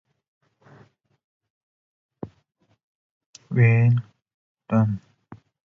Literally.